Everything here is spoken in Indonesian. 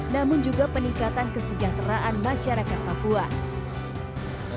namun juga peningkatan kesejahteraan masyarakat papua